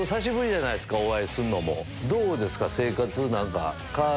どうですか？